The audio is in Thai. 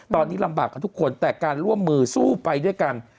ตอนนี้ลำบากกับทุกคนแต่การร่วมมือสู้ไปด้วยกัน